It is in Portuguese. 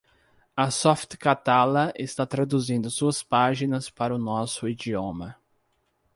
A Softcatalà está traduzindo suas páginas para o nosso idioma.